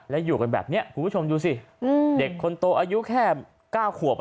แล้วอยู่กันแบบนี้คุณผู้ชมดูสิเด็กคนโตอายุแค่๙ขวบ